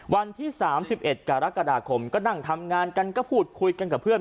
วันที่๓๑กรกฎาคมก็นั่งทำงานกันก็พูดคุยกันกับเพื่อน